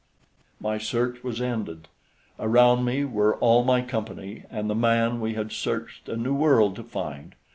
My search was ended. Around me were all my company and the man we had searched a new world to find.